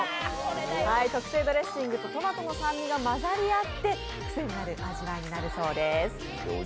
特製ドレッシングとトマトの酸味が混ざり合って癖になる味わいになるそうです。